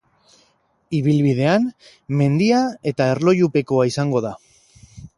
Ibilbidean mendia eta erlojupekoa izango da.